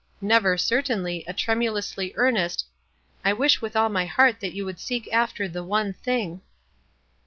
" never, certainly, a trem ulously earnest, "I wish with all my heart that you would seek after the f One thing.'"